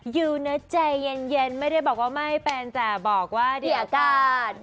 อยู่นะใจเย็นไม่ได้บอกว่าไม่เป็นแต่บอกว่าดีอากาศ